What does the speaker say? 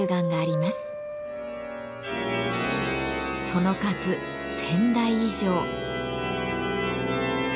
その数１，０００台以上。